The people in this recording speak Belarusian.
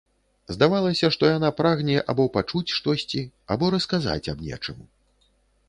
Здавалася, што яна прагне або пачуць штосьці, або расказаць аб нечым.